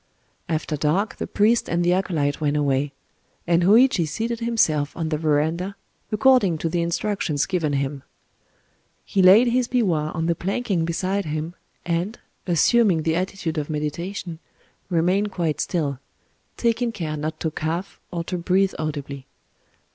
After dark the priest and the acolyte went away; and Hōïchi seated himself on the verandah, according to the instructions given him. He laid his biwa on the planking beside him, and, assuming the attitude of meditation, remained quite still,—taking care not to cough, or to breathe audibly.